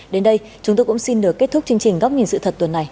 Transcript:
đến đây chúng tôi cũng xin được kết thúc chương trình góc nhìn sự thật tuần này